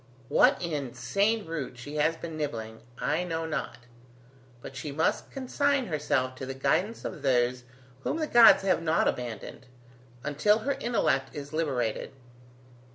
What insane root she has been nibbling, I know not, but she must consign herself to the guidance of those whom the gods have not abandoned, until her intellect is liberated.